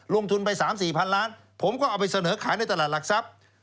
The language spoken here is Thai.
ลงทุนไป๓๔พันล้านผมก็เอาไปเสนอขายในตลาดหลักทรัพย์